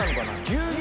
牛乳。